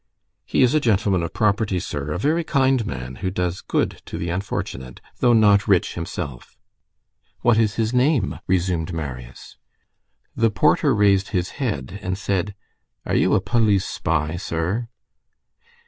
"He is a gentleman of property, sir. A very kind man who does good to the unfortunate, though not rich himself." "What is his name?" resumed Marius. The porter raised his head and said:— "Are you a police spy, sir?"